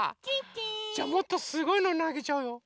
じゃあもっとすごいのなげちゃうよ。